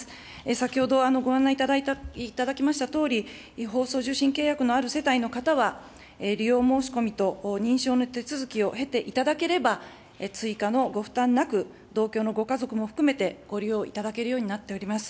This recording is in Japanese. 先ほどご案内いただきましたとおり、放送受信契約のある世帯の方は、利用申し込みと認証の手続きを経ていただければ、追加のご負担なく、同居のご家族も含めてご利用いただけるようになっております。